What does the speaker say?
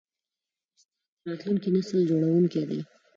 استاد د راتلونکي نسل جوړوونکی دی.